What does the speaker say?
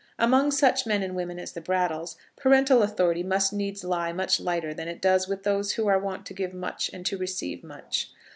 Among such men and women as the Brattles, parental authority must needs lie much lighter than it does with those who are wont to give much and to receive much.